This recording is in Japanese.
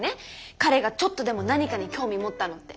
彼がちょっとでも何かに興味持ったのって。